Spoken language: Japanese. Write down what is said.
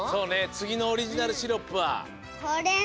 つぎのオリジナルシロップは。